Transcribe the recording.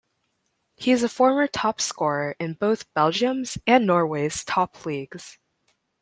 He is a former top scorer in both Belgium's and Norway's top leagues.